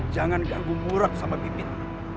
jangan ganggu murah sama pipit